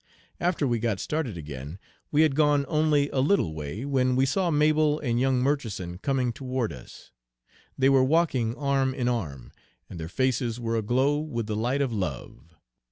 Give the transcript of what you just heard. After we got started again we had gone only a little way, when we saw Mabel and young Murchison coming toward us. They were walking arm in arm, and their faces were aglow with the light of love.